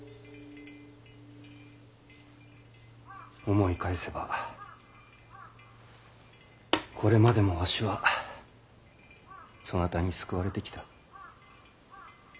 思い返せばこれまでもわしはそなたに救われてきた。